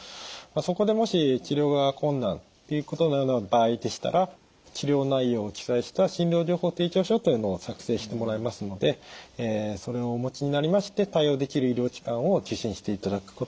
そこでもし治療が困難っていうことのような場合でしたら治療内容を記載した診療情報提供書というのを作成してもらえますのでそれをお持ちになりまして対応できる医療機関を受診していただくことがいいと思います。